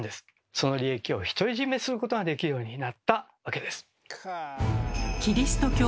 その利益を独り占めすることができるようになったわけです。